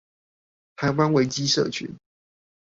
台灣維基社群